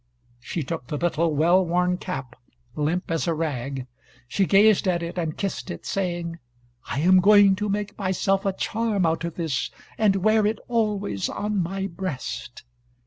She took the little well worn cap, limp as a rag. She gazed at it and kissed it, saying: "I am going to make myself a charm out of this, and wear it always on my breast."